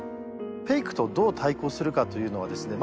フェイクとどう対抗するかというのはですね